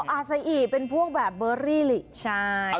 อ๋ออาซาอิเป็นพวกแบบเบอรี่เลยนะ